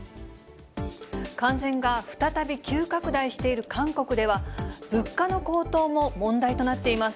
感染が再び急拡大している韓国では、物価の高騰も問題となっています。